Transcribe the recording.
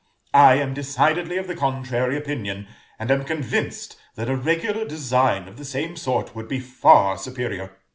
I am decidedly of a contrary opinion, and am convinced that a regular design of the same sort would be far superior.